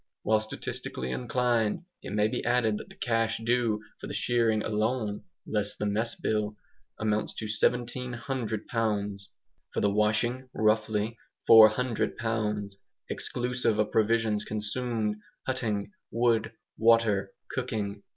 While statistically inclined, it may be added that the cash due for the shearing alone (less the mess bill) amounts to 1700 pounds; for the washing (roughly), 400 pounds, exclusive of provisions consumed, hutting, wood, water, cooking.